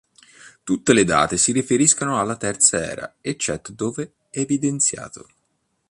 Tutte le date si riferiscono alla Terza Era, eccetto dove evidenziato.